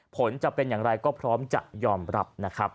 ผลจะเป็นอย่างไรก็พร้อมจะยอมรับนะครับ